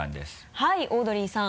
はいオードリーさん。